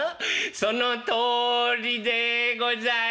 そのとりでござい」。